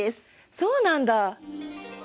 そうなんだ！